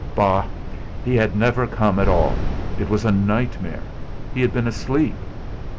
Bah! He had never come at all! It was a nightmare. He had been asleep.